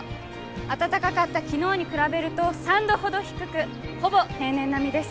暖かかった昨日に比べると３度ほど低くほぼ平年並みです。